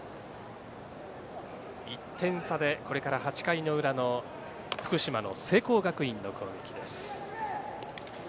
１点差で、これから８回の裏の福島の聖光学院の攻撃です。